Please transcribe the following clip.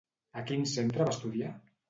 A quin centre va estudiar?